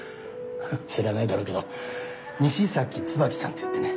知らないだろうけど西崎椿さんっていってね